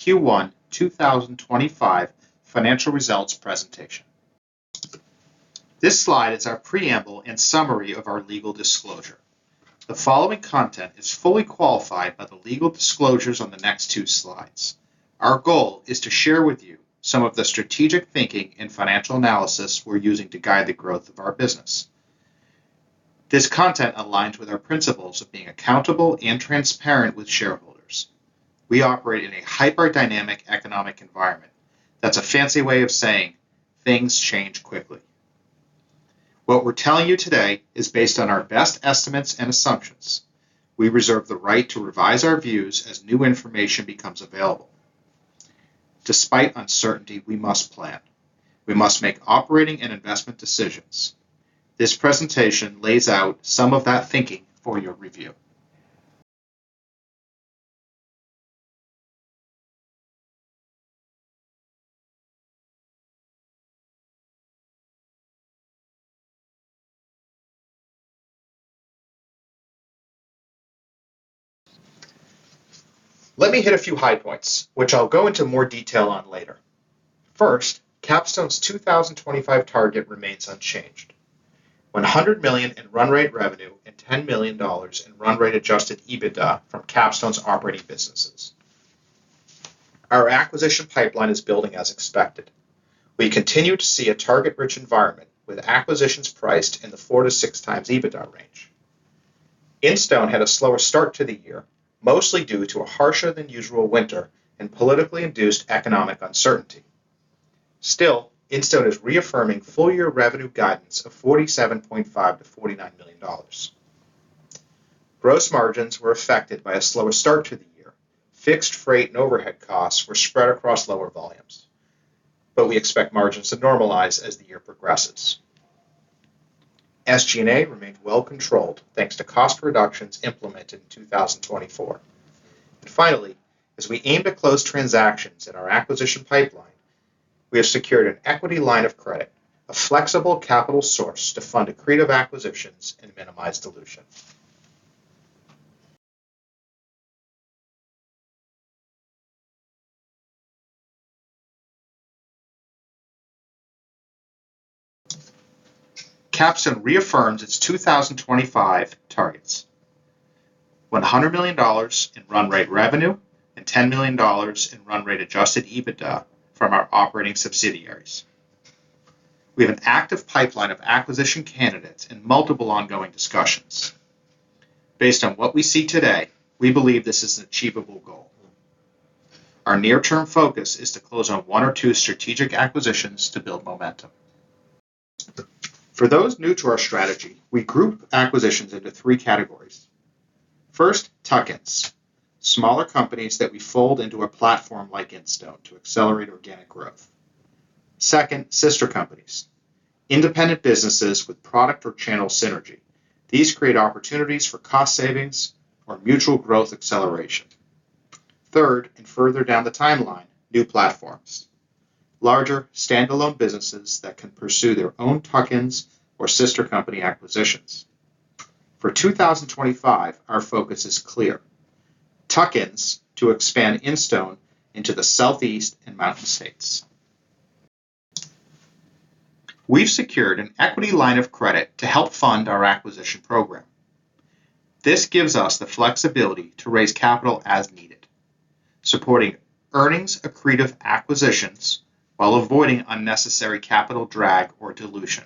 Q1 2025 financial results presentation. This slide is our preamble and summary of our legal disclosure. The following content is fully qualified by the legal disclosures on the next two slides. Our goal is to share with you some of the strategic thinking and financial analysis we're using to guide the growth of our business. This content aligns with our principles of being accountable and transparent with shareholders. We operate in a hyper-dynamic economic environment. That's a fancy way of saying things change quickly. What we're telling you today is based on our best estimates and assumptions. We reserve the right to revise our views as new information becomes available. Despite uncertainty, we must plan. We must make operating and investment decisions. This presentation lays out some of that thinking for your review. Let me hit a few high points, which I'll go into more detail on later. First, Capstone's 2025 target remains unchanged. $100 million in run rate revenue and $10 million in run rate adjusted EBITDA from Capstone's operating businesses. Our acquisition pipeline is building as expected. We continue to see a target-rich environment with acquisitions priced in the 4x-6x EBITDA range. Instone had a slower start to the year, mostly due to a harsher than usual winter and politically induced economic uncertainty. Still, Instone is reaffirming full year revenue guidance of $47.5 million-$49 million. Gross margins were affected by a slower start to the year. Fixed freight and overhead costs were spread across lower volumes. We expect margins to normalize as the year progresses. SG&A remained well controlled, thanks to cost reductions implemented in 2024. Finally, as we aim to close transactions in our acquisition pipeline, we have secured an equity line of credit, a flexible capital source to fund accretive acquisitions and minimize dilution. Capstone reaffirms its 2025 targets. $100 million in run rate revenue and $10 million in run rate adjusted EBITDA from our operating subsidiaries. We have an active pipeline of acquisition candidates and multiple ongoing discussions. Based on what we see today, we believe this is an achievable goal. Our near-term focus is to close on one or two strategic acquisitions to build momentum. For those new to our strategy, we group acquisitions into three categories. First, tuck-ins. Smaller companies that we fold into a platform like Instone to accelerate organic growth. Second, sister companies. Independent businesses with product or channel synergy. These create opportunities for cost savings or mutual growth acceleration. Third, and further down the timeline, new platforms. Larger standalone businesses that can pursue their own tuck-ins or sister company acquisitions. For 2025, our focus is clear. Tuck-ins to expand Instone into the Southeast and Mountain States. We've secured an equity line of credit to help fund our acquisition program. This gives us the flexibility to raise capital as needed, supporting earnings accretive acquisitions while avoiding unnecessary capital drag or dilution.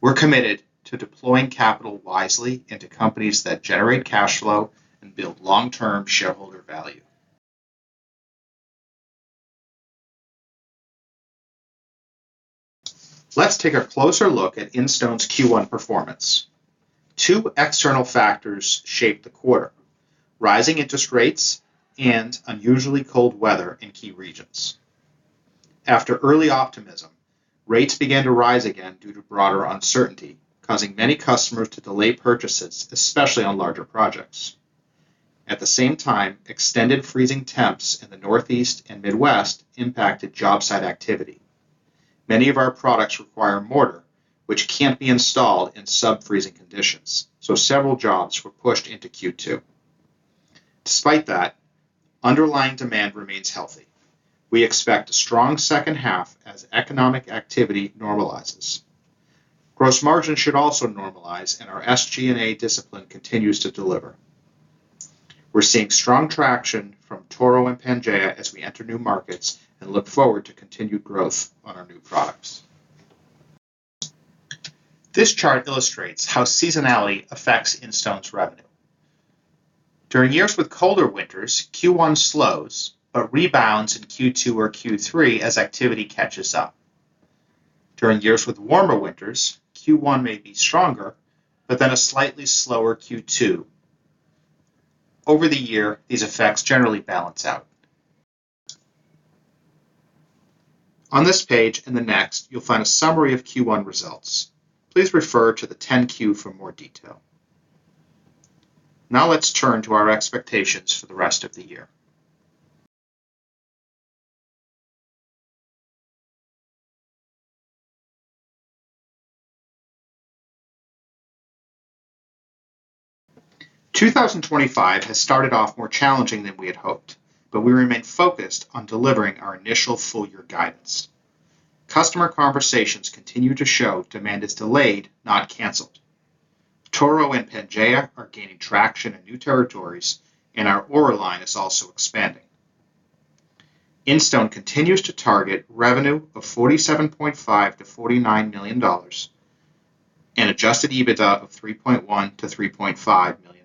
We're committed to deploying capital wisely into companies that generate cash flow and build long-term shareholder value. Let's take a closer look at Instone's Q1 performance. Two external factors shaped the quarter: rising interest rates and unusually cold weather in key regions. After early optimism, rates began to rise again due to broader uncertainty, causing many customers to delay purchases, especially on larger projects. At the same time, extended freezing temps in the Northeast and Midwest impacted job site activity. Many of our products require mortar, which can't be installed in sub-freezing conditions, so several jobs were pushed into Q2. Despite that, underlying demand remains healthy. We expect a strong second half as economic activity normalizes. Gross margins should also normalize, and our SG&A discipline continues to deliver. We're seeing strong traction from Toro and Pangaea as we enter new markets and look forward to continued growth on our new products. This chart illustrates how seasonality affects Instone's revenue. During years with colder winters, Q1 slows but rebounds in Q2 or Q3 as activity catches up. During years with warmer winters, Q1 may be stronger, but then a slightly slower Q2. Over the year, these effects generally balance out. On this page and the next, you'll find a summary of Q1 results. Please refer to the 10-Q for more detail. Now let's turn to our expectations for the rest of the year. 2025 has started off more challenging than we had hoped, but we remain focused on delivering our initial full-year guidance. Customer conversations continue to show demand is delayed, not canceled. Toro and Pangaea are gaining traction in new territories, and our Aura line is also expanding. Instone continues to target revenue of $47.5 million-$49 million and adjusted EBITDA of $3.1 million-$3.5 million.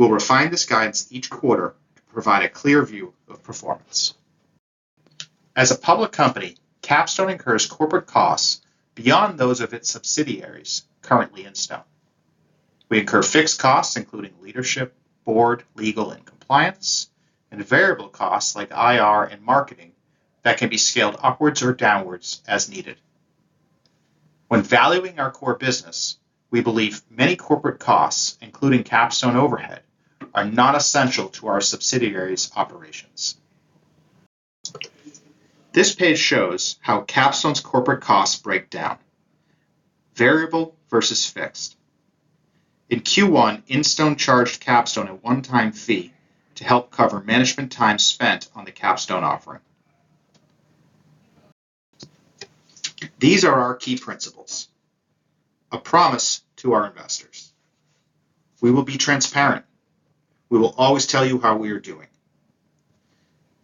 We'll refine this guidance each quarter to provide a clear view of performance. As a public company, Capstone incurs corporate costs beyond those of its subsidiaries currently Instone. We incur fixed costs, including leadership, board, legal, and compliance, and variable costs like IR and marketing that can be scaled upwards or downwards as needed. When valuing our core business, we believe many corporate costs, including Capstone overhead, are not essential to our subsidiaries' operations. This page shows how Capstone's corporate costs break down. Variable versus fixed. In Q1, Instone charged Capstone a one-time fee to help cover management time spent on the Capstone offering. These are our key principles, a promise to our investors. We will be transparent. We will always tell you how we are doing.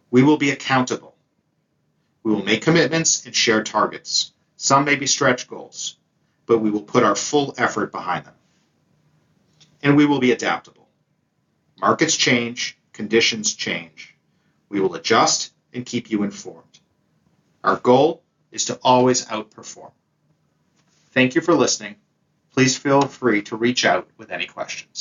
We will be accountable. We will make commitments and share targets. Some may be stretch goals, but we will put our full effort behind them. We will be adaptable. Markets change, conditions change. We will adjust and keep you informed. Our goal is to always outperform. Thank you for listening. Please feel free to reach out with any questions.